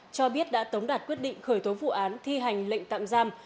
cho biết đã tống đạt quyết định khởi tố vụ án thi hành lệnh tạm giam